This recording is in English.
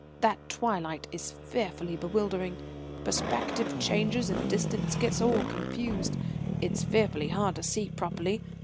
That twilight is fearfully bewildering; perspective changes, and distance gets all confused. It's fearfully hard to see properly.